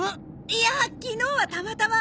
いや昨日はたまたま。